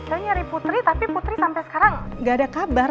saya nyari putri tapi putri sampai sekarang gak ada kabar